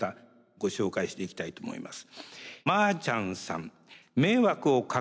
ご紹介していきたいと思います。